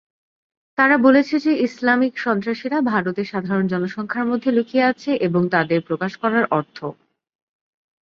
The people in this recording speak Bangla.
তারা বলেছে যে ইসলামিক সন্ত্রাসীরা ভারতে সাধারণ জনসংখ্যার মধ্যে লুকিয়ে আছে এবং তাদের প্রকাশ করার অর্থ।